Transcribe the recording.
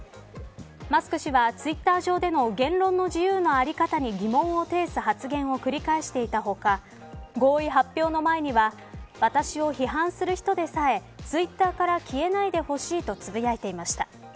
マスク氏は、ツイッター上での言論の自由の在り方に疑問を呈す発言を繰り返していた他合意発表の前には私を批判する人でさえツイッターから消えないでほしいと呟いていました。